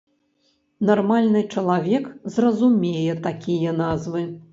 Нармальны чалавек зразумее такія назвы.